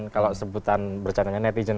kalau sebutan bercerita dengan netizen